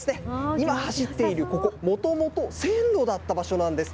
今、走っているここ、もともと線路だった場所なんです。